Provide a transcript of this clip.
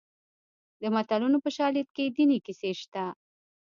د متلونو په شالید کې دیني کیسې شته